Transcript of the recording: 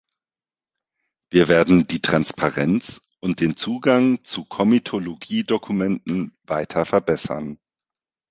Wir werden die Transparenz und den Zugang zu Komitologiedokumenten weiter verbessern.